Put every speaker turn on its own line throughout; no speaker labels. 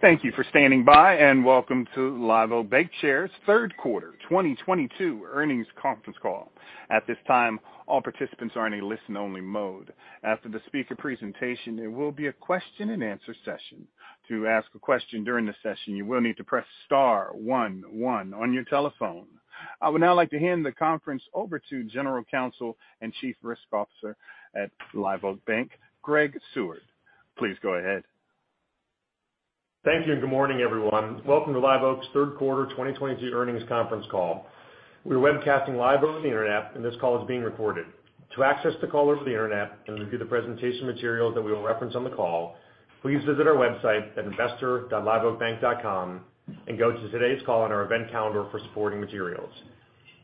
Thank you for standing by, and Welcome to Live Oak Bancshares third quarter 2022 earnings conference call. At this time, all participants are in a listen-only mode. After the speaker presentation, there will be a question-and-answer session. To ask a question during the session, you will need to press star one one on your telephone. I would now like to hand the conference over to General Counsel and Chief Risk Officer at Live Oak Bank, Greg Seward. Please go ahead.
Thank you and good morning, everyone. Welcome to Live Oak's third quarter 2022 earnings conference call. We're webcasting live on the internet, and this call is being recorded. To access the call over the internet and review the presentation materials that we will reference on the call, please visit our website at investor.liveoakbank.com and go to today's call on our event calendar for supporting materials.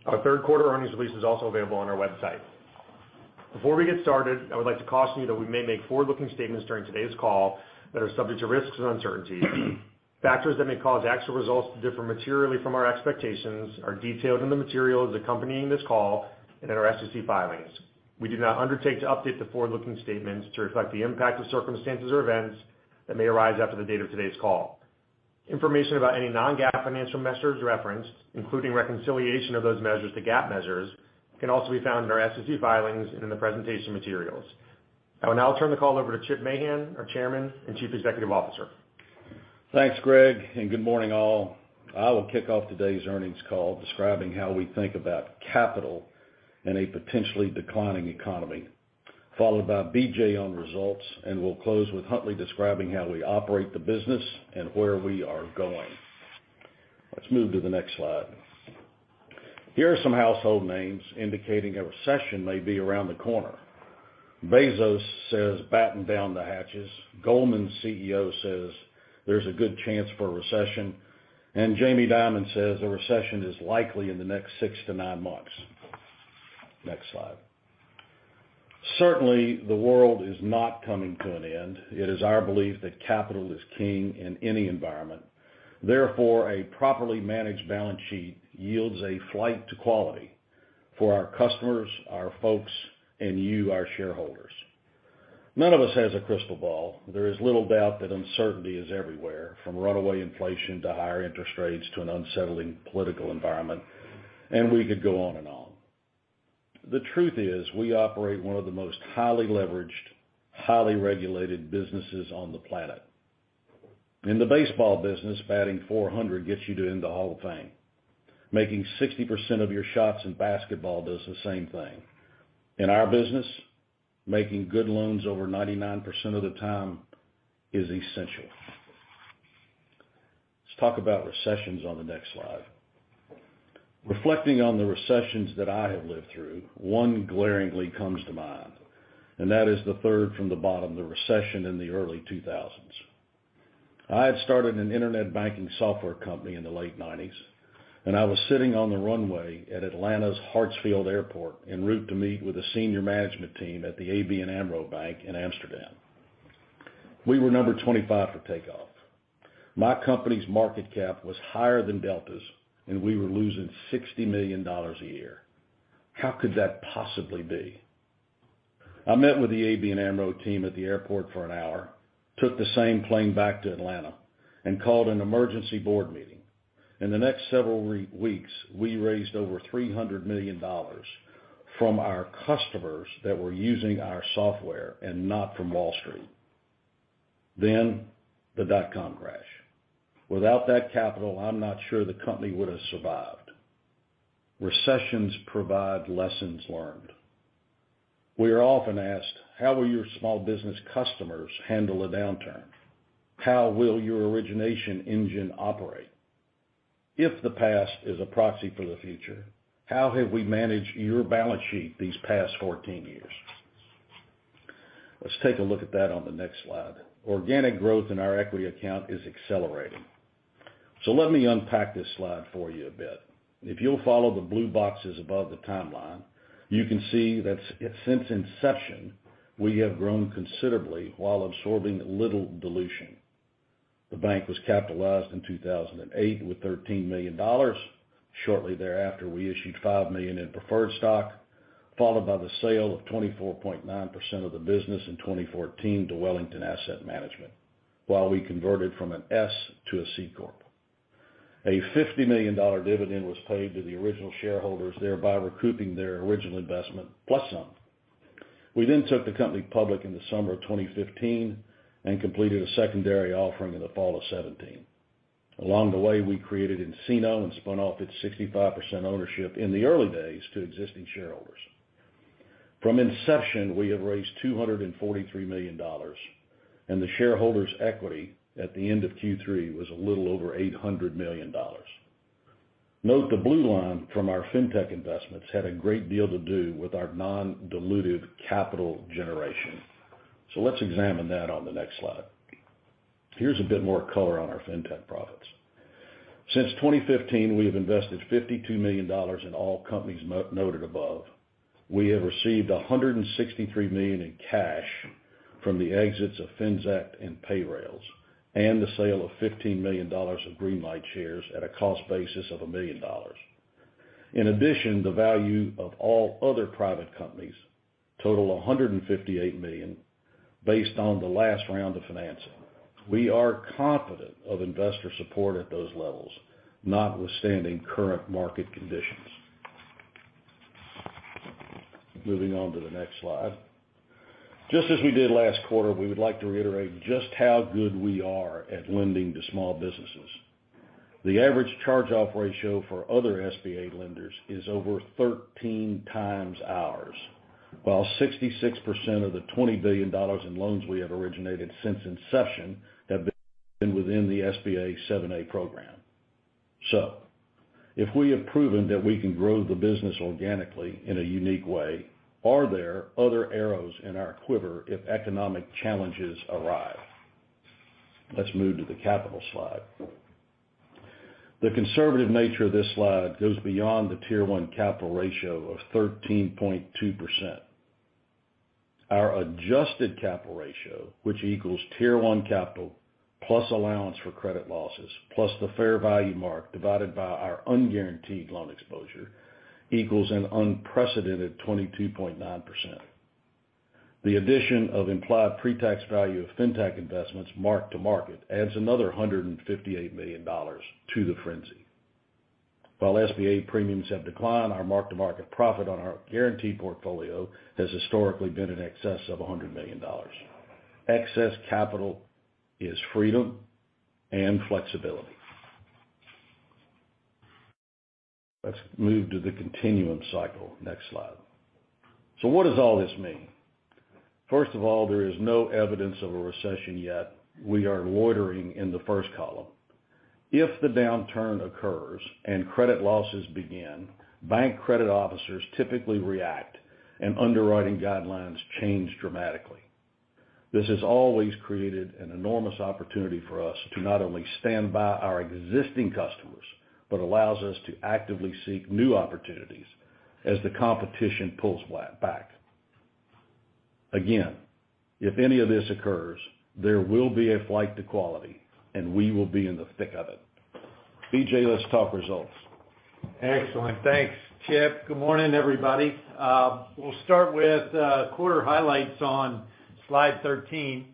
Our third quarter earnings release is also available on our website. Before we get started, I would like to caution you that we may make forward-looking statements during today's call that are subject to risks and uncertainties. Factors that may cause actual results to differ materially from our expectations are detailed in the materials accompanying this call and in our SEC filings. We do not undertake to update the forward-looking statements to reflect the impact of circumstances or events that may arise after the date of today's call. Information about any non-GAAP financial measures referenced, including reconciliation of those measures to GAAP measures, can also be found in our SEC filings and in the presentation materials. I will now turn the call over to Chip Mahan, our Chairman and Chief Executive Officer.
Thanks, Greg, and good morning, all. I will kick off today's earnings call describing how we think about capital in a potentially declining economy, followed by BJ on results, and we'll close with Huntley describing how we operate the business and where we are going. Let's move to the next slide. Here are some household names indicating a recession may be around the corner. Bezos says batten down the hatches, Goldman Sachs's CEO says there's a good chance for a recession, and Jamie Dimon says a recession is likely in the next six to nine months. Next slide. Certainly, the world is not coming to an end. It is our belief that capital is king in any environment. Therefore, a properly managed balance sheet yields a flight to quality for our customers, our folks, and you, our shareholders. None of us has a crystal ball. There is little doubt that uncertainty is everywhere, from runaway inflation to higher interest rates to an unsettling political environment, and we could go on and on. The truth is, we operate one of the most highly leveraged, highly regulated businesses on the planet. In the baseball business, batting 400 gets you into the Hall of Fame. Making 60% of your shots in basketball does the same thing. In our business, making good loans over 99% of the time is essential. Let's talk about recessions on the next slide. Reflecting on the recessions that I have lived through, one glaringly comes to mind, and that is the third from the bottom, the recession in the early 2000s. I had started an internet banking software company in the late 1990s, and I was sitting on the runway at Atlanta's Hartsfield Airport en route to meet with a senior management team at the ABN AMRO Bank in Amsterdam. We were number 25 for takeoff. My company's market cap was higher than Delta's, and we were losing $60 million a year. How could that possibly be? I met with the ABN AMRO team at the airport for an hour, took the same plane back to Atlanta, and called an emergency board meeting. In the next several weeks, we raised over $300 million from our customers that were using our software and not from Wall Street. The dot-com crash. Without that capital, I'm not sure the company would have survived. Recessions provide lessons learned. We are often asked, "How will your small business customers handle a downturn? How will your origination engine operate? If the past is a proxy for the future, how have we managed your balance sheet these past 14 years?" Let's take a look at that on the next slide. Organic growth in our equity account is accelerating. Let me unpack this slide for you a bit. If you'll follow the blue boxes above the timeline, you can see that since inception, we have grown considerably while absorbing little dilution. The bank was capitalized in 2008 with $13 million. Shortly thereafter, we issued $5 million in preferred stock, followed by the sale of 24.9% of the business in 2014 to Wellington Management, while we converted from an S to a C corp. A $50 million dividend was paid to the original shareholders, thereby recouping their original investment plus some. We then took the company public in the summer of 2015 and completed a secondary offering in the fall of 2017. Along the way, we created nCino and spun off its 65% ownership in the early days to existing shareholders. From inception, we have raised $243 million, and the shareholders equity at the end of Q3 was a little over $800 million. Note the blue line from our fintech investments had a great deal to do with our non-dilutive capital generation. Let's examine that on the next slide. Here's a bit more color on our fintech profits. Since 2015, we have invested $52 million in all companies noted above. We have received $163 million in cash from the exits of Finxact and Payrailz and the sale of $15 million of Greenlight shares at a cost basis of $1 million. In addition, the value of all other private companies total $158 million based on the last round of financing. We are confident of investor support at those levels, notwithstanding current market conditions. Moving on to the next slide. Just as we did last quarter, we would like to reiterate just how good we are at lending to small businesses. The average charge-off ratio for other SBA lenders is over thirteen times ours, while 66% of the $20 billion in loans we have originated since inception have been within the SBA 7(a) program. If we have proven that we can grow the business organically in a unique way, are there other arrows in our quiver if economic challenges arrive? Let's move to the capital slide. The conservative nature of this slide goes beyond the Tier 1 capital ratio of 13.2%. Our adjusted capital ratio, which equals Tier 1 capital plus allowance for credit losses, plus the fair value mark divided by our unguaranteed loan exposure equals an unprecedented 22.9%. The addition of implied pre-tax value of fintech investments marked to market adds another $158 million to the frenzy. While SBA premiums have declined, our mark-to-market profit on our guaranteed portfolio has historically been in excess of $100 million. Excess capital is freedom and flexibility. Let's move to the continuum cycle. Next slide. What does all this mean? First of all, there is no evidence of a recession yet. We are loitering in the first column. If the downturn occurs and credit losses begin, bank credit officers typically react, and underwriting guidelines change dramatically. This has always created an enormous opportunity for us to not only stand by our existing customers, but allows us to actively seek new opportunities as the competition pulls flat back. Again, if any of this occurs, there will be a flight to quality, and we will be in the thick of it. BJ, let's talk results.
Excellent. Thanks, Chip. Good morning, everybody. We'll start with quarter highlights on slide 13.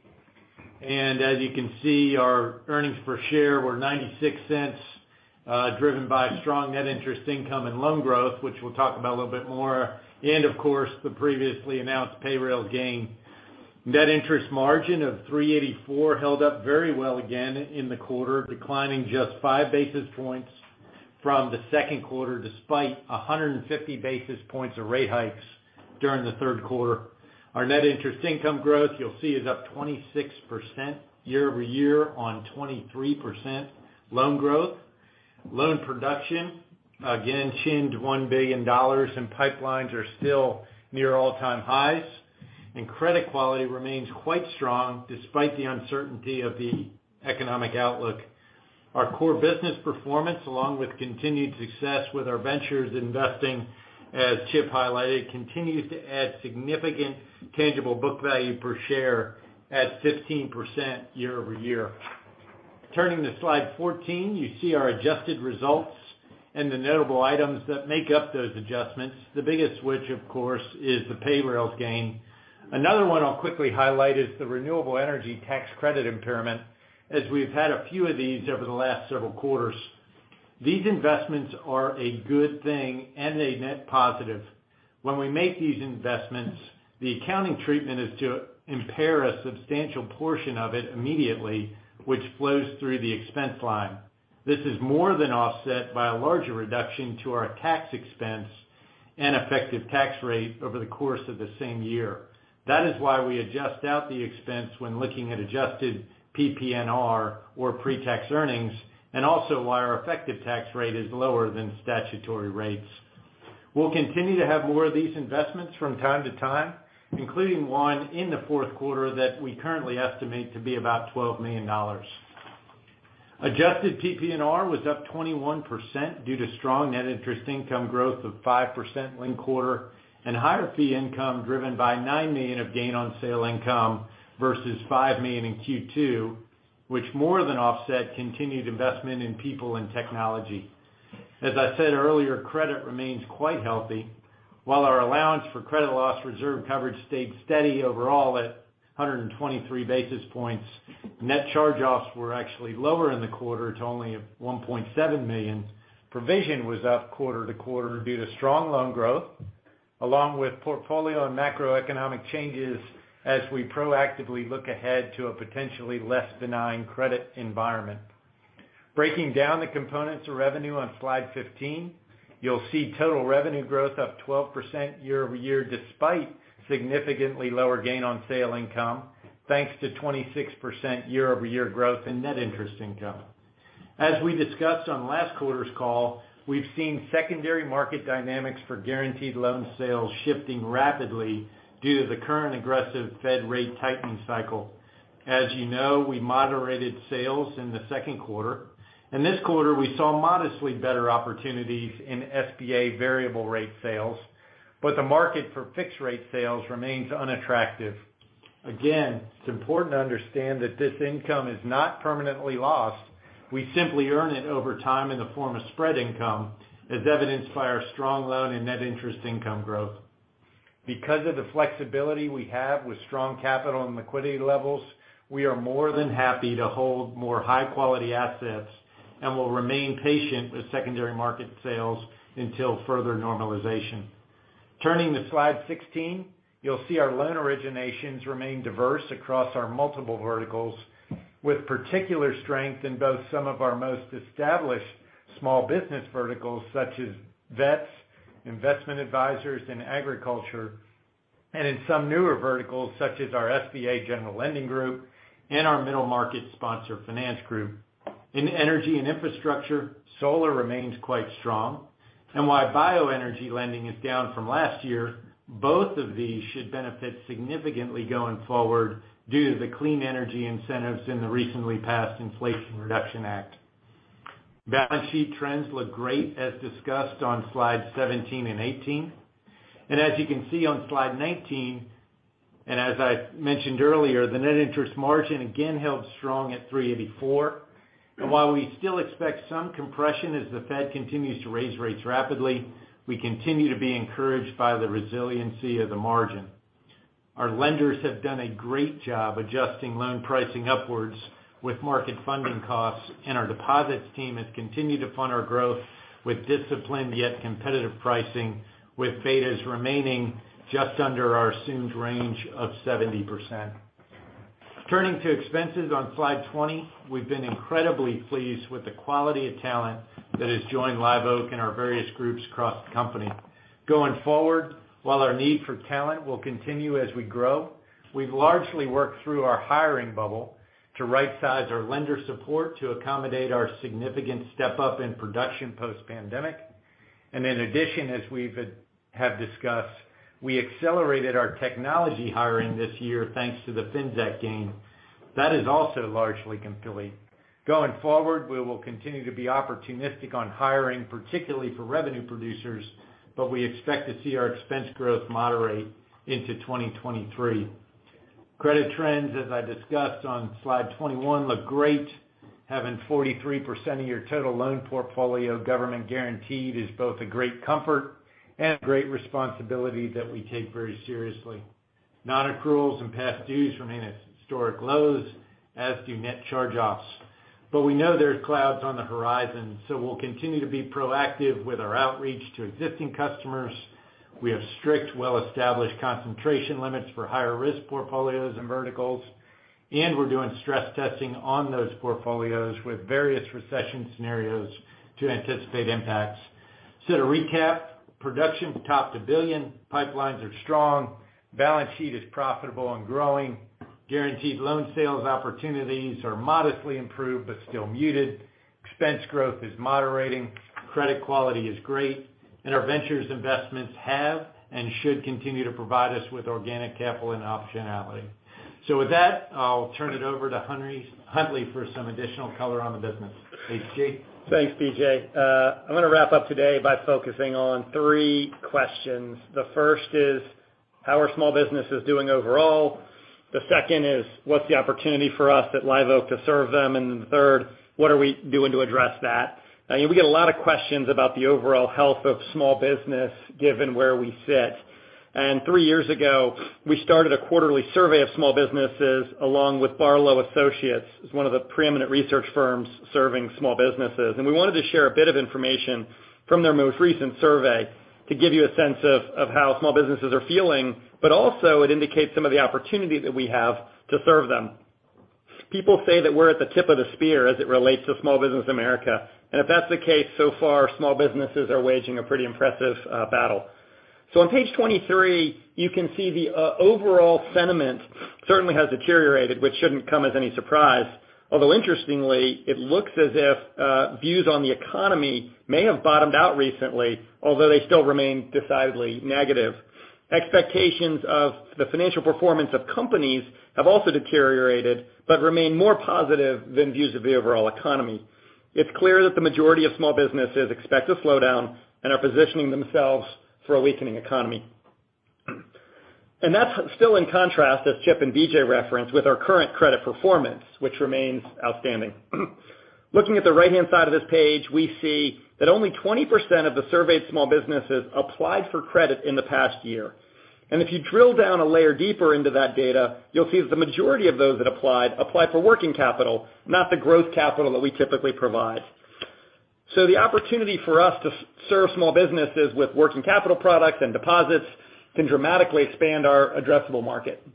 As you can see, our earnings per share were $0.96, driven by strong net interest income and loan growth, which we'll talk about a little bit more, and of course, the previously announced Payrailz gain. Net interest margin of 3.84% held up very well again in the quarter, declining just 5 basis points from the second quarter, despite 150 basis points of rate hikes during the third quarter. Our net interest income growth, you'll see, is up 26% year over year on 23% loan growth. Loan production, again, in at $1 billion, and pipelines are still near all-time highs. Credit quality remains quite strong despite the uncertainty of the economic outlook. Our core business performance, along with continued success with our ventures investing, as Chip highlighted, continues to add significant tangible book value per share at 15% year-over-year. Turning to slide 14, you see our adjusted results and the notable items that make up those adjustments. The biggest switch, of course, is the Payrailz gain. Another one I'll quickly highlight is the renewable energy tax credit impairment, as we've had a few of these over the last several quarters. These investments are a good thing and a net positive. When we make these investments, the accounting treatment is to impair a substantial portion of it immediately, which flows through the expense line. This is more than offset by a larger reduction to our tax expense and effective tax rate over the course of the same year. That is why we adjust out the expense when looking at adjusted PPNR or pre-tax earnings, and also why our effective tax rate is lower than statutory rates. We'll continue to have more of these investments from time to time, including one in the fourth quarter that we currently estimate to be about $12 million. Adjusted PPNR was up 21% due to strong net interest income growth of 5% linked quarter and higher fee income driven by $9 million of gain on sale income versus $5 million in Q2, which more than offset continued investment in people and technology. As I said earlier, credit remains quite healthy. While our allowance for credit loss reserve coverage stayed steady overall at 123 basis points, net charge-offs were actually lower in the quarter to only $1.7 million. Provision was up quarter-over-quarter due to strong loan growth, along with portfolio and macroeconomic changes as we proactively look ahead to a potentially less benign credit environment. Breaking down the components of revenue on slide 15, you'll see total revenue growth up 12% year-over-year despite significantly lower gain on sale income, thanks to 26% year-over-year growth in net interest income. As we discussed on last quarter's call, we've seen secondary market dynamics for guaranteed loan sales shifting rapidly due to the current aggressive Fed rate tightening cycle. As you know, we moderated sales in the second quarter. In this quarter, we saw modestly better opportunities in SBA variable rate sales, but the market for fixed rate sales remains unattractive. Again, it's important to understand that this income is not permanently lost. We simply earn it over time in the form of spread income, as evidenced by our strong loan and net interest income growth. Because of the flexibility we have with strong capital and liquidity levels, we are more than happy to hold more high-quality assets and will remain patient with secondary market sales until further normalization. Turning to slide 16, you'll see our loan originations remain diverse across our multiple verticals with particular strength in both some of our most established small business verticals such as vets, investment advisors, and agriculture, and in some newer verticals such as our SBA General Lending group and our middle market sponsor finance group. In energy and infrastructure, solar remains quite strong. While bio energy lending is down from last year, both of these should benefit significantly going forward due to the clean energy incentives in the recently passed Inflation Reduction Act. Balance sheet trends look great as discussed on slide 17 and 18. As you can see on slide 19, and as I mentioned earlier, the net interest margin again held strong at 3.84%. While we still expect some compression as the Fed continues to raise rates rapidly, we continue to be encouraged by the resiliency of the margin. Our lenders have done a great job adjusting loan pricing upwards with market funding costs, and our deposits team has continued to fund our growth with disciplined yet competitive pricing with betas remaining just under our assumed range of 70%. Turning to expenses on slide 20, we've been incredibly pleased with the quality of talent that has joined Live Oak in our various groups across the company. Going forward, while our need for talent will continue as we grow, we've largely worked through our hiring bubble to right-size our lender support to accommodate our significant step-up in production post-pandemic. In addition, as we've discussed, we accelerated our technology hiring this year thanks to the FinTech gain. That is also largely complete. Going forward, we will continue to be opportunistic on hiring, particularly for revenue producers, but we expect to see our expense growth moderate into 2023. Credit trends, as I discussed on slide 21, look great. Having 43% of your total loan portfolio government guaranteed is both a great comfort and a great responsibility that we take very seriously. Non-accruals and past dues remain at historic lows, as do net charge-offs. We know there's clouds on the horizon, so we'll continue to be proactive with our outreach to existing customers. We have strict, well-established concentration limits for higher risk portfolios and verticals, and we're doing stress testing on those portfolios with various recession scenarios to anticipate impacts. To recap, production topped $1 billion, pipelines are strong, balance sheet is profitable and growing, guaranteed loan sales opportunities are modestly improved but still muted, expense growth is moderating, credit quality is great, and our ventures investments have and should continue to provide us with organic capital and optionality. With that, I'll turn it over to Huntley for some additional color on the business. Please, Greg.
Thanks, BJ. I'm gonna wrap up today by focusing on three questions. The first is, how are small businesses doing overall? The second is, what's the opportunity for us at Live Oak to serve them? The third, what are we doing to address that? We get a lot of questions about the overall health of small business given where we sit. Three years ago, we started a quarterly survey of small businesses along with Barlow Research Associates. It's one of the preeminent research firms serving small businesses. We wanted to share a bit of information from their most recent survey to give you a sense of how small businesses are feeling, but also it indicates some of the opportunity that we have to serve them. People say that we're at the tip of the spear as it relates to small business America. If that's the case, so far, small businesses are waging a pretty impressive battle. On page 23, you can see the overall sentiment certainly has deteriorated, which shouldn't come as any surprise, although interestingly, it looks as if views on the economy may have bottomed out recently, although they still remain decidedly negative. Expectations of the financial performance of companies have also deteriorated but remain more positive than views of the overall economy. It's clear that the majority of small businesses expect a slowdown and are positioning themselves for a weakening economy. That's still in contrast, as Chip and BJ referenced, with our current credit performance, which remains outstanding. Looking at the right-hand side of this page, we see that only 20% of the surveyed small businesses applied for credit in the past year. If you drill down a layer deeper into that data, you'll see that the majority of those that applied for working capital, not the growth capital that we typically provide. The opportunity for us to serve small businesses with working capital products and deposits can dramatically expand our addressable market.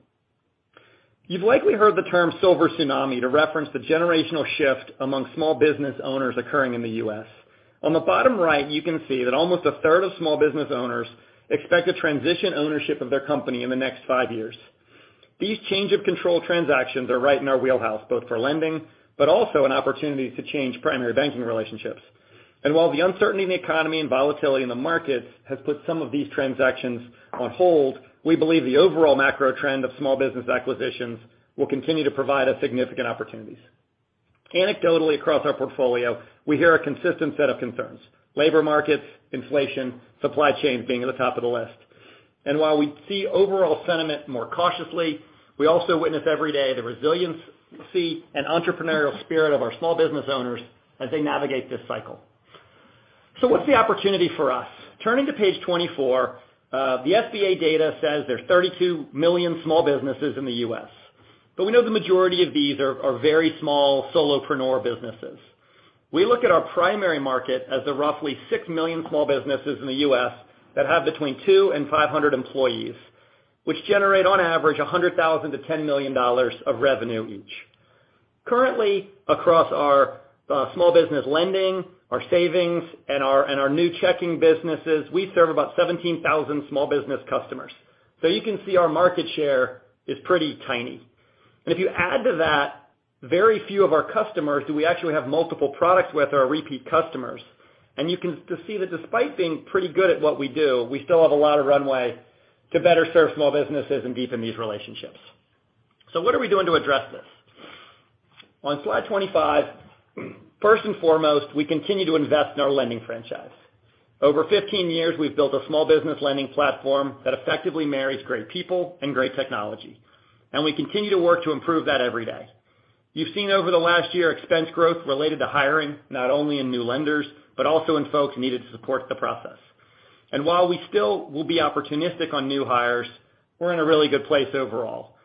You've likely heard the term silver tsunami to reference the generational shift among small business owners occurring in the U.S. On the bottom right, you can see that almost a third of small business owners expect to transition ownership of their company in the next five years. These change of control transactions are right in our wheelhouse, both for lending, but also an opportunity to change primary banking relationships. While the uncertainty in the economy and volatility in the markets has put some of these transactions on hold, we believe the overall macro trend of small business acquisitions will continue to provide us significant opportunities. Anecdotally across our portfolio, we hear a consistent set of concerns: labor markets, inflation, supply chains being at the top of the list. While we see overall sentiment more cautiously, we also witness every day the resiliency and entrepreneurial spirit of our small business owners as they navigate this cycle. What's the opportunity for us? Turning to page 24, the SBA data says there's 32 million small businesses in the U.S. We know the majority of these are very small solopreneur businesses. We look at our primary market as the roughly six million small businesses in the U.S. that have between two and 500 employees, which generate on average $100,000-$10 million of revenue each. Currently, across our small business lending, our savings and our new checking businesses, we serve about 17,000 small business customers. You can see our market share is pretty tiny. If you add to that very few of our customers do we actually have multiple products with our repeat customers, and you can see that despite being pretty good at what we do, we still have a lot of runways to better serve small businesses and deepen these relationships. What are we doing to address this? On slide 25, first and foremost, we continue to invest in our lending franchise. Over 15 years, we've built a small business lending platform that effectively marries great people and great technology, and we continue to work to improve that every day. You've seen over the last year expense growth related to hiring, not only in new lenders, but also in folks needed to support the process. While we still will be opportunistic on new hires, we're in a really good place overall.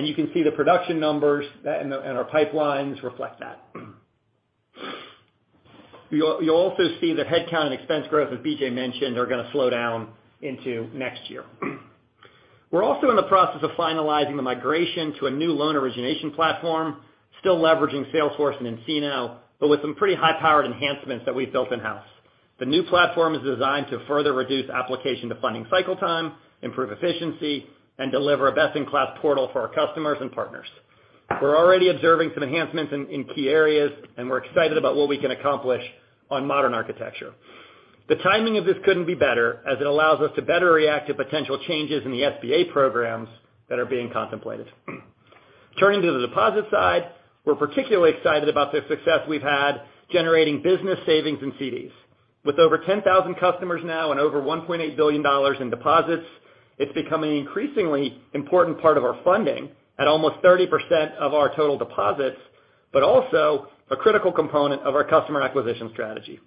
You can see the production numbers and our pipelines reflect that. You'll also see that headcount and expense growth, as BJ mentioned, are gonna slow down into next year. We're also in the process of finalizing the migration to a new loan origination platform, still leveraging Salesforce and nCino, but with some pretty high-powered enhancements that we've built in-house. The new platform is designed to further reduce application to funding cycle time, improve efficiency, and deliver a best-in-class portal for our customers and partners. We're already observing some enhancements in key areas, and we're excited about what we can accomplish on modern architecture. The timing of this couldn't be better, as it allows us to better react to potential changes in the SBA programs that are being contemplated. Turning to the deposit side, we're particularly excited about the success we've had generating business savings and CDs. With over 10,000 customers now and over $1.8 billion in deposits, it's becoming an increasingly important part of our funding at almost 30% of our total deposits, but also a critical component of our customer acquisition strategy.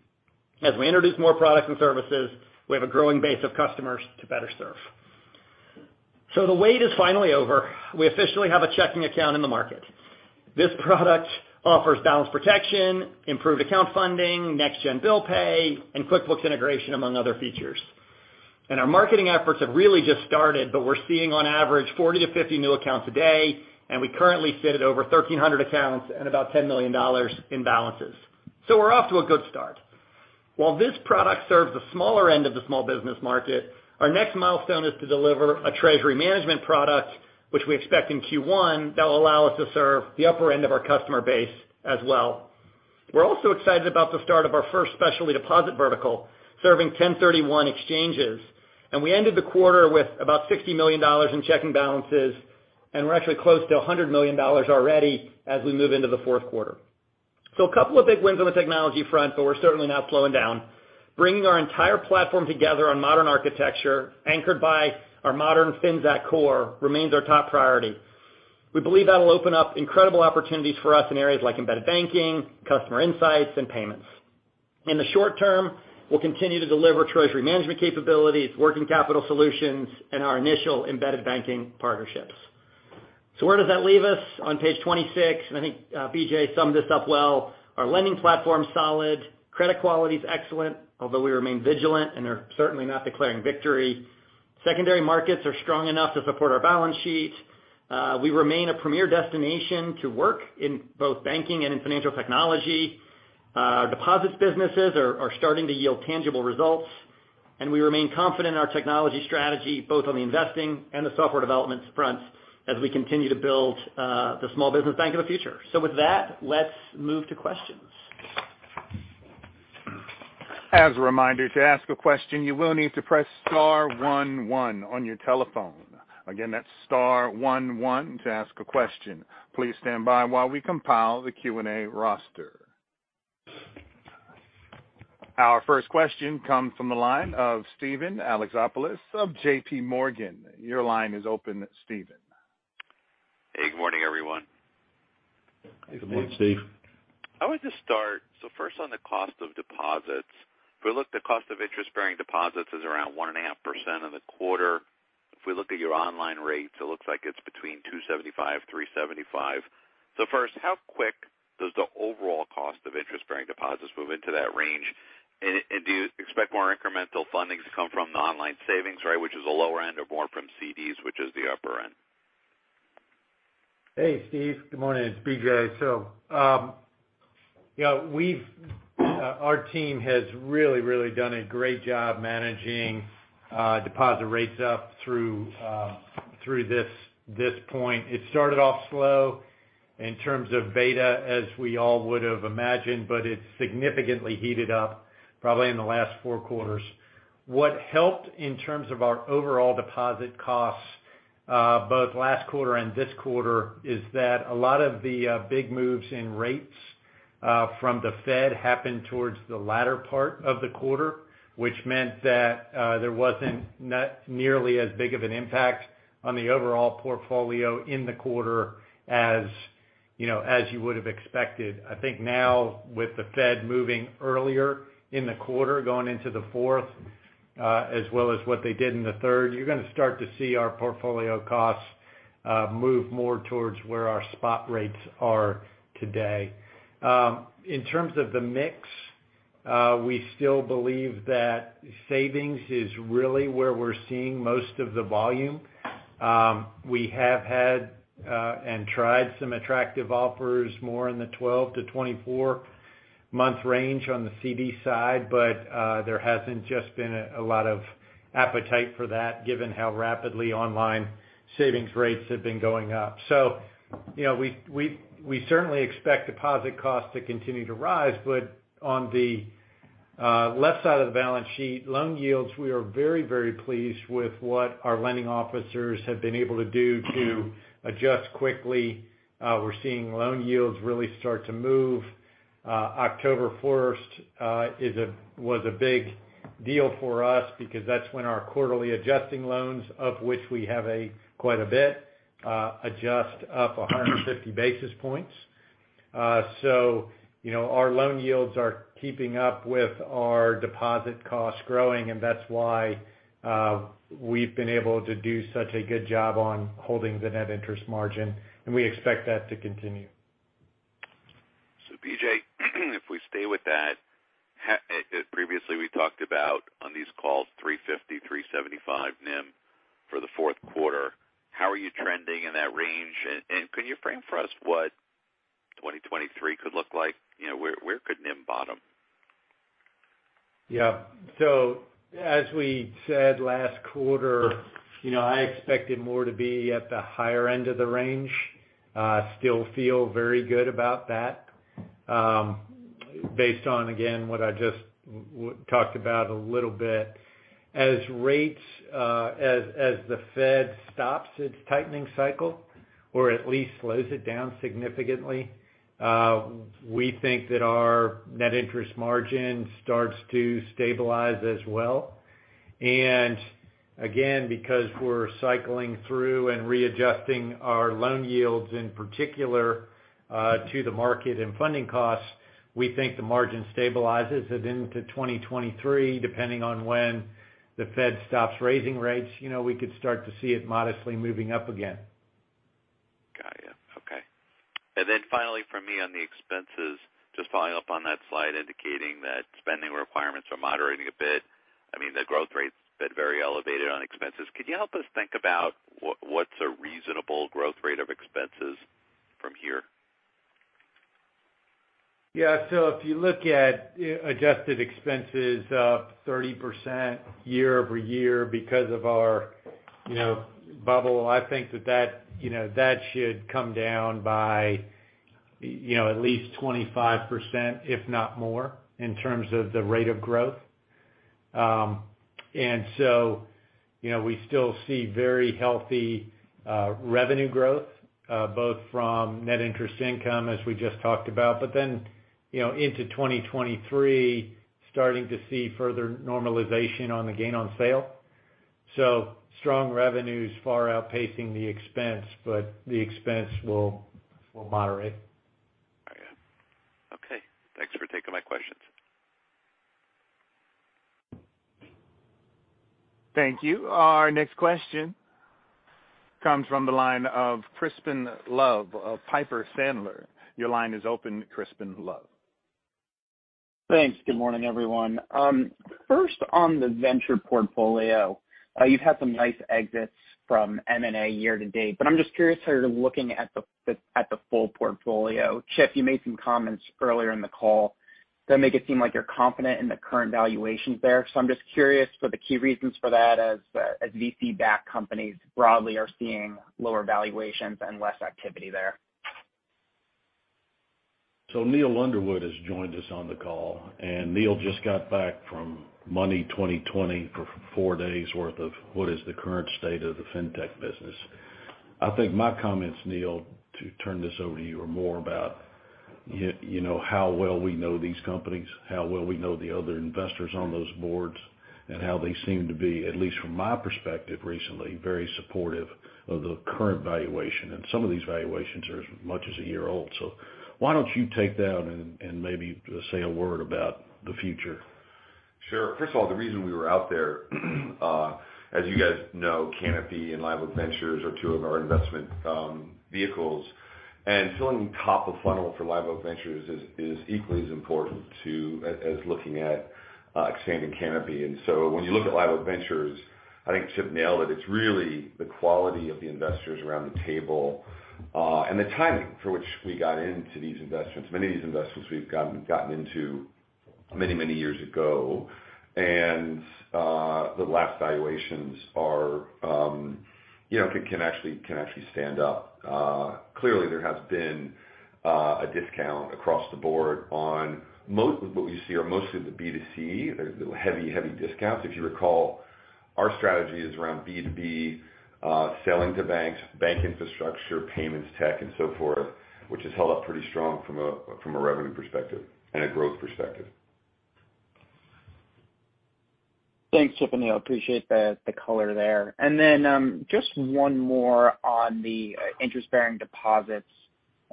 As we introduce more products and services, we have a growing base of customers to better serve. The wait is finally over. We officially have a checking account in the market. This product offers balance protection, improved account funding, next gen bill pay, and QuickBooks integration, among other features. Our marketing efforts have really just started, but we're seeing on average 40-50 new accounts a day, and we currently sit at over 1,300 accounts and about $10 million in balances. We're off to a good start. While this product serves the smaller end of the small business market, our next milestone is to deliver a treasury management product, which we expect in Q1 that will allow us to serve the upper end of our customer base as well. We're also excited about the start of our first specialty deposit vertical, serving 1031 exchanges. We ended the quarter with about $60 million in checking balances, and we're actually close to $100 million already as we move into the fourth quarter. A couple of big wins on the technology front, but we're certainly not slowing down. Bringing our entire platform together on modern architecture, anchored by our modern FinTech core, remains our top priority. We believe that'll open up incredible opportunities for us in areas like embedded banking, customer insights, and payments. In the short term, we'll continue to deliver treasury management capabilities, working capital solutions, and our initial embedded banking partnerships. Where does that leave us? On page 26, and I think, BJ summed this up well, our lending platform's solid, credit quality is excellent, although we remain vigilant and are certainly not declaring victory. Secondary markets are strong enough to support our balance sheet. We remain a premier destination to work in both banking and in financial technology. Deposits businesses are starting to yield tangible results, and we remain confident in our technology strategy, both on the investing and the software development fronts as we continue to build the small business bank of the future. With that, let's move to questions.
As a reminder, to ask a question, you will need to press star one one on your telephone. Again, that's star one one to ask a question. Please stand by while we compile the Q&A roster. Our first question comes from the line of Steven Alexopoulos of JPMorgan. Your line is open, Steven.
Hey, good morning, everyone.
Good morning, Steve.
I would just start, first on the cost of deposits. If we look, the cost of interest-bearing deposits is around 1.5% in the quarter. If we look at your online rates, it looks like it's between 2.75%-3.75%. First, how quick does the overall cost of interest-bearing deposits move into that range? And do you expect more incremental fundings to come from the online savings, right, which is the lower end, or more from CDs, which is the upper end?
Hey, Steve. Good morning. It's BJ. Yeah, we've, our team has really done a great job managing deposit rates up through this point. It started off slow in terms of beta, as we all would have imagined, but it's significantly heated up probably in the last four quarters. What helped in terms of our overall deposit costs both last quarter and this quarter is that a lot of the big moves in rates from the Fed happened towards the latter part of the quarter, which meant that there wasn't not nearly as big of an impact on the overall portfolio in the quarter as, you know, as you would have expected. I think now with the Fed moving earlier in the quarter, going into the fourth, as well as what they did in the third, you're gonna start to see our portfolio costs move more towards where our spot rates are today. In terms of the mix, we still believe that savings is really where we're seeing most of the volume. We have had and tried some attractive offers more in the 12-24 month range on the CD side, but there hasn't just been a lot of appetite for that given how rapidly online savings rates have been going up. You know, we certainly expect deposit costs to continue to rise. On the left side of the balance sheet, loan yields, we are very, very pleased with what our lending officers have been able to do to adjust quickly. We're seeing loan yields really start to move. October first was a big deal for us because that's when our quarterly adjusting loans, of which we have quite a bit, adjust up 150 basis points. You know, our loan yields are keeping up with our deposit costs growing, and that's why we've been able to do such a good job on holding the net interest margin, and we expect that to continue.
BJ, if we stay with that, previously we talked about on these calls, 3.50%-3.75% NIM for the fourth quarter. How are you trending in that range? Can you frame for us what 2023 could look like? You know, where could NIM bottom?
Yeah. As we said last quarter, you know, I expected more to be at the higher end of the range. Still feel very good about that, based on, again, what I just talked about a little bit. As the Fed stops its tightening cycle or at least slows it down significantly, we think that our net interest margin starts to stabilize as well. Again, because we're cycling through and readjusting our loan yields in particular, to the market and funding costs, we think the margin stabilizes. Into 2023, depending on when the Fed stops raising rates, you know, we could start to see it modestly moving up again.
Got it. Okay. Finally for me on the expenses, just following up on that slide indicating that spending requirements are moderating a bit. I mean, the growth rate's been very elevated on expenses. Could you help us think about what's a reasonable growth rate of expenses from here?
Yeah. If you look at adjusted expenses up 30% year-over-year because of our, you know, bubble, I think that should come down by, you know, at least 25%, if not more, in terms of the rate of growth. You know, we still see very healthy revenue growth both from net interest income as we just talked about, but then, you know, into 2023, starting to see further normalization on the gain on sale. Strong revenues far outpacing the expense, but the expense will moderate.
Oh, yeah. Okay. Thanks for taking my questions.
Thank you. Our next question comes from the line of Crispin Love of Piper Sandler. Your line is open, Crispin Love.
Thanks. Good morning, everyone. First on the venture portfolio, you've had some nice exits from M&A year to date, but I'm just curious how you're looking at the full portfolio. Chip, you made some comments earlier in the call that make it seem like you're confident in the current valuations there. I'm just curious for the key reasons for that as VC-backed companies broadly are seeing lower valuations and less activity there.
Neil Underwood has joined us on the call, and Neil just got back from Money20/20 for four days worth of what is the current state of the fintech business. I think my comments, Neil, to turn this over to you, are more about you know, how well we know these companies, how well we know the other investors on those boards, and how they seem to be, at least from my perspective recently, very supportive of the current valuation. Some of these valuations are as much as a year old. Why don't you take that and maybe say a word about the future?
Sure. First of all, the reason we were out there, as you guys know, Canapi and Live Oak Ventures are two of our investment vehicles. Filling top of funnel for Live Oak Ventures is equally as important as looking at expanding Canapi. When you look at Live Oak Ventures, I think Chip nailed it. It's really the quality of the investors around the table and the timing for which we got into these investments. Many of these investments we've gotten into many years ago. The last valuations, you know, can actually stand up. Clearly there has been a discount across the board on most of what we see are mostly the B2C, heavy discounts. If you recall our strategy is around B2B, selling to banks, bank infrastructure, payments, tech, and so forth, which has held up pretty strong from a revenue perspective and a growth perspective.
Thanks, Tiffany. I appreciate the color there. Just one more on the interest-bearing deposits.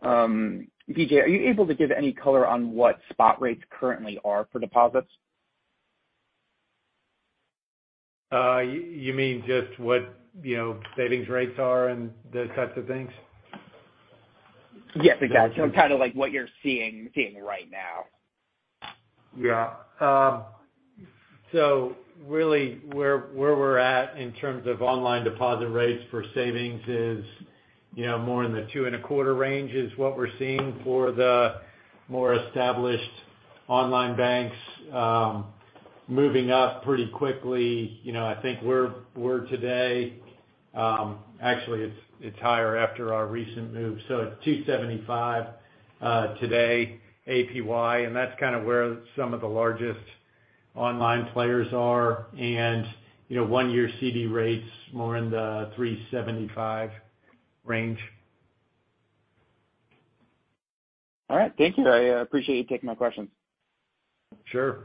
BJ, are you able to give any color on what spot rates currently are for deposits?
You mean just what, you know, savings rates are and those types of things?
Yes, exactly. Kind of like what you're seeing right now.
Yeah. Really where we're at in terms of online deposit rates for savings is, you know, more in the 2.25% range is what we're seeing for the more established online banks, moving up pretty quickly. You know, I think we're today, actually it's higher after our recent move. It's 2.75% today, APY, and that's kind of where some of the largest online players are. You know, one year CD rates more in the 3.75% range.
All right. Thank you. I appreciate you taking my questions.
Sure.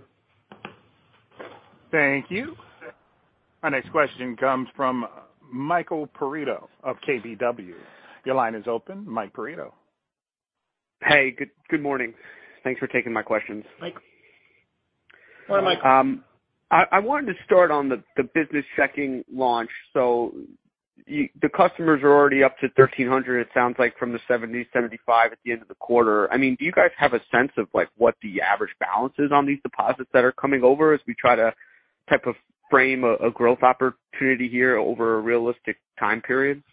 Thank you. Our next question comes from Michael Perito of KBW. Your line is open. Mike Perito.
Hey, good morning. Thanks for taking my questions.
Mike. Go ahead, Mike.
I wanted to start on the business checking launch. The customers are already up to 1,300, it sounds like from the 75 at the end of the quarter. I mean, do you guys have a sense of like, what the average balance is on these deposits that are coming over as we try to frame a growth opportunity here over a realistic time period?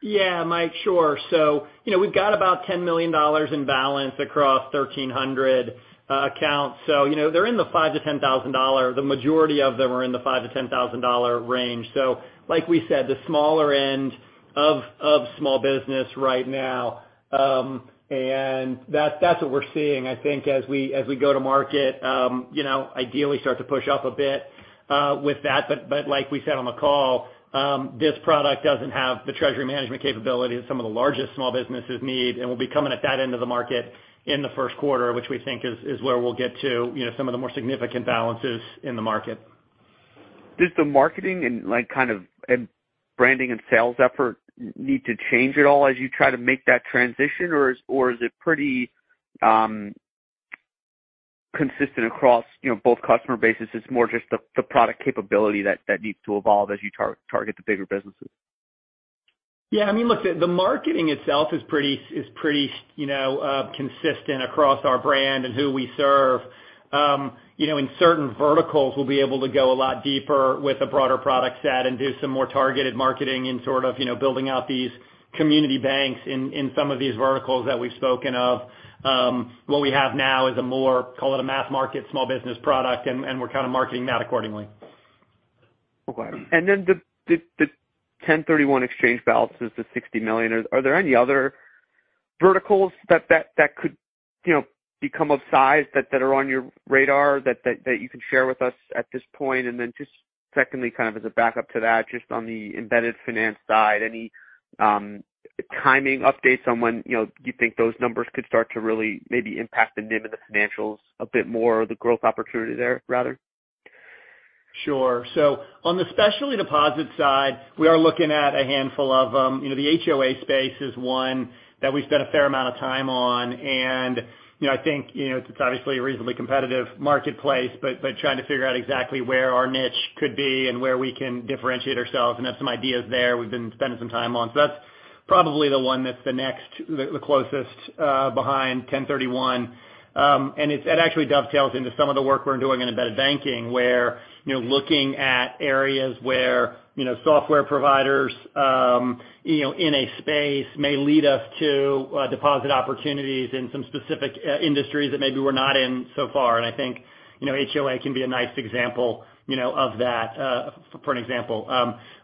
Yeah. Mike, sure. You know, we've got about $10 million in balance across 1,300 accounts. You know, they're in the $5,000-$10,000. The majority of them are in the $5,000-$10,000 range. Like we said, the smaller end of small business right now. That's what we're seeing. I think as we go to market, you know, ideally start to push up a bit with that. Like we said on the call, this product doesn't have the treasury management capability that some of the largest small businesses need, and we'll be coming at that end of the market in the first quarter, which we think is where we'll get to, you know, some of the more significant balances in the market.
Does the marketing and like kind of, and branding and sales effort need to change at all as you try to make that transition? Or is it pretty consistent across, you know, both customer bases? It's more just the product capability that needs to evolve as you target the bigger businesses.
Yeah. I mean, look, the marketing itself is pretty, you know, consistent across our brand and who we serve. You know, in certain verticals, we'll be able to go a lot deeper with a broader product set and do some more targeted marketing and sort of, you know, building out these community banks in some of these verticals that we've spoken of. What we have now is a more, call it a mass market small business product, and we're kind of marketing that accordingly.
Okay. The 1031 exchange balances, the $60 million, are there any other verticals that could, you know, become of size that you can share with us at this point? Just secondly, kind of as a backup to that, just on the embedded finance side, any timing updates on when, you know, you think those numbers could start to really maybe impact the NIM and the financials a bit more, or the growth opportunity there, rather?
Sure. On the specialty deposit side, we are looking at a handful of, you know, the HOA space is one that we spent a fair amount of time on. You know, I think, you know, it's obviously a reasonably competitive marketplace, but trying to figure out exactly where our niche could be and where we can differentiate ourselves and have some ideas there we've been spending some time on. That's probably the one that's the next, the closest behind 1031 exchange. It actually dovetails into some of the work we're doing in embedded banking where, you know, looking at areas where, you know, software providers, you know, in a space may lead us to deposit opportunities in some specific industries that maybe we're not in so far. I think, you know, HOA can be a nice example, you know, of that, for an example.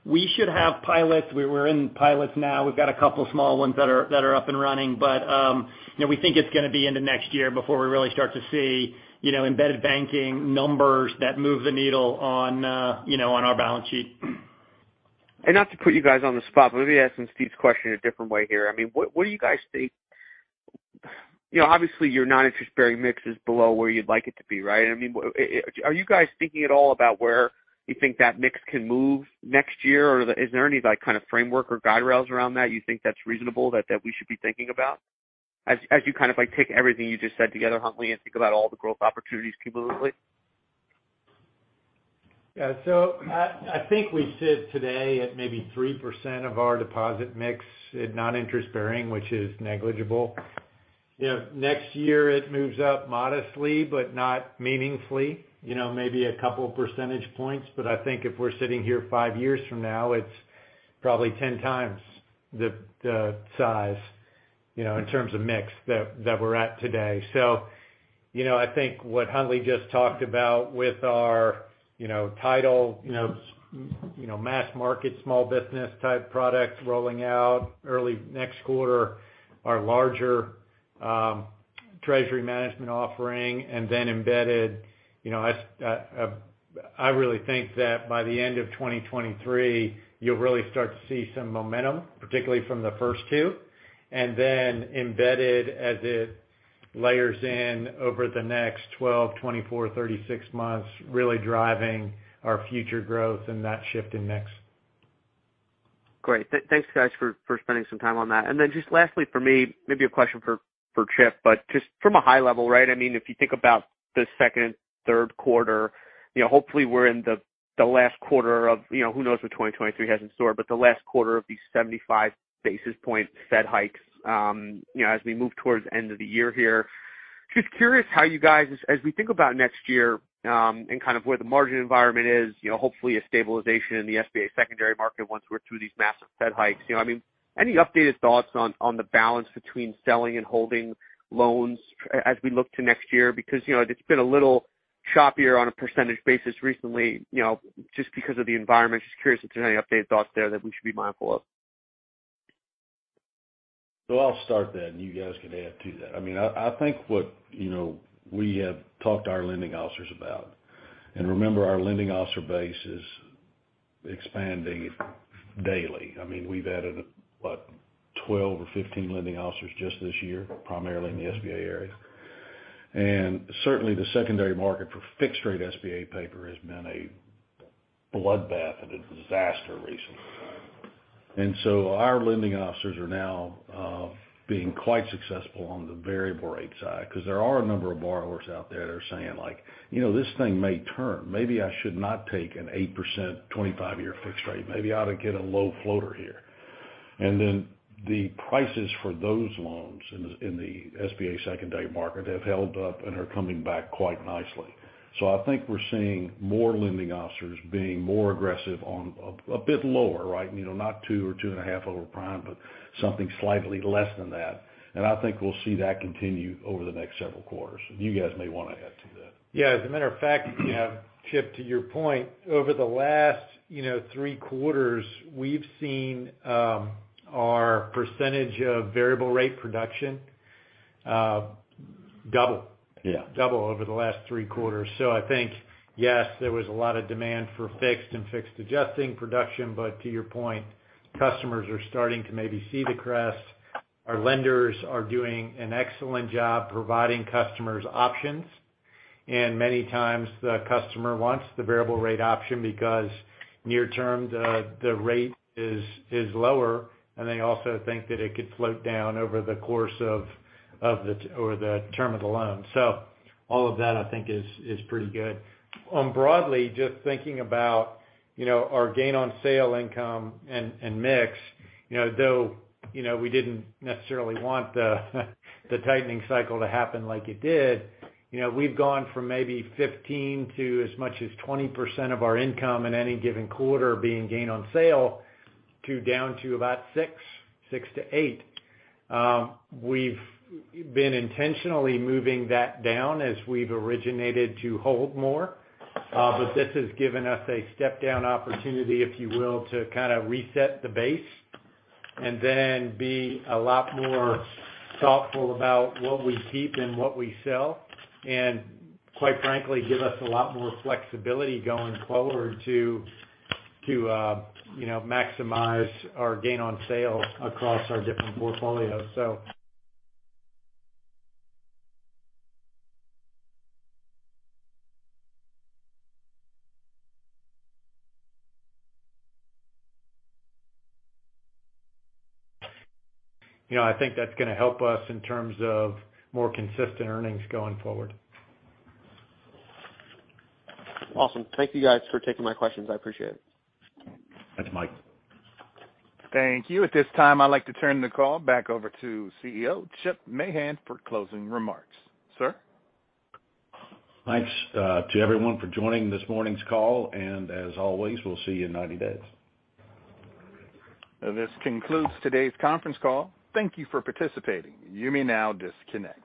We should have pilots. We're in pilots now. We've got a couple small ones that are up and running. You know, we think it's gonna be into next year before we really start to see, you know, embedded banking numbers that move the needle on, you know, on our balance sheet.
Not to put you guys on the spot, but let me ask Steve's question a different way here. I mean, what do you guys think? You know, obviously, your non-interest-bearing mix is below where you'd like it to be, right? I mean, are you guys thinking at all about where you think that mix can move next year? Or is there any like kind of framework or guide rails around that you think that's reasonable that we should be thinking about as you kind of like take everything you just said together, Huntley, and think about all the growth opportunities cumulatively?
Yeah. I think we sit today at maybe 3% of our deposit mix in non-interest bearing, which is negligible. You know, next year it moves up modestly, but not meaningfully, you know, maybe a couple percentage points. I think if we're sitting here five years from now, it's probably 10x the size, you know, in terms of mix that we're at today. You know, I think what Huntley just talked about with our, you know, title, you know, mass market, small business type product rolling out early next quarter, our larger Treasury management offering and then embedded, you know. I really think that by the end of 2023, you'll really start to see some momentum, particularly from the first two. Embedded as it layers in over the next 12, 24, 36 months, really driving our future growth and that shift in mix.
Great. Thanks, guys, for spending some time on that. Just lastly for me, maybe a question for Chip, but just from a high level, right? I mean, if you think about the second, third quarter, you know, hopefully we're in the last quarter of, you know, who knows what 2023 has in store, but the last quarter of these 75 basis point Fed hikes, you know, as we move towards end of the year here. Just curious how you guys, as we think about next year, and kind of where the margin environment is, you know, hopefully a stabilization in the SBA secondary market once we're through these massive Fed hikes. You know, I mean, any updated thoughts on the balance between selling and holding loans as we look to next year? Because, you know, it's been a little choppier on a percentage basis recently, you know, just because of the environment. Just curious if there's any updated thoughts there that we should be mindful of.
I'll start then you guys can add to that. I mean, I think what, you know, we have talked to our lending officers about, and remember our lending officer base is expanding daily. I mean, we've added, what, 12 or 15 lending officers just this year, primarily in the SBA area. Certainly the secondary market for fixed rate SBA paper has been a bloodbath and a disaster recently. Our lending officers are now being quite successful on the variable rate side because there are a number of borrowers out there that are saying, like, "You know, this thing may turn. Maybe I should not take an 8% 25-year fixed rate. Maybe I ought to get a low floater here." Then the prices for those loans in the SBA secondary market have held up and are coming back quite nicely. I think we're seeing more lending officers being more aggressive on a bit lower, right? You know, not two or 2.5 over prime, but something slightly less than that. I think we'll see that continue over the next several quarters. You guys may wanna add to that.
Yeah. As a matter of fact, Chip, to your point, over the last, you know, three quarters, we've seen our percentage of variable rate production double.
Yeah.
Doubled over the last three quarters. I think, yes, there was a lot of demand for fixed and adjustable production, but to your point, customers are starting to maybe see the crest. Our lenders are doing an excellent job providing customers options, and many times the customer wants the variable rate option because near term the rate is lower, and they also think that it could float down over the course of the term of the loan. All of that I think is pretty good. Broadly, just thinking about, you know, our gain on sale income and mix, you know, though, you know, we didn't necessarily want the tightening cycle to happen like it did, you know, we've gone from maybe 15%-20% of our income in any given quarter being gain on sale to down to about 6%-8%. We've been intentionally moving that down as we've originated to hold more, but this has given us a step down opportunity, if you will, to kinda reset the base and then be a lot more thoughtful about what we keep and what we sell, and quite frankly, give us a lot more flexibility going forward to, you know, maximize our gain on sale across our different portfolios. You know, I think that's gonna help us in terms of more consistent earnings going forward.
Awesome. Thank you guys for taking my questions. I appreciate it.
Thanks, Mike.
Thank you. At this time, I'd like to turn the call back over to CEO Chip Mahan for closing remarks. Sir?
Thanks, to everyone for joining this morning's call. As always, we'll see you in 90 days.
This concludes today's conference call. Thank you for participating. You may now disconnect.